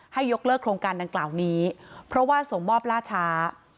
ยกเลิกโครงการดังกล่าวนี้เพราะว่าส่งมอบล่าช้า